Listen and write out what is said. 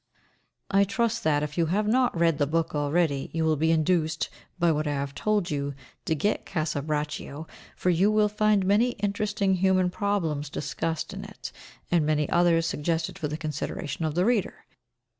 I trust that, if you have not read the book already, you will be induced, by what I have told you, to get "Casa Braccio," for you will find many interesting human problems discussed in it, and many others suggested for the consideration of the reader.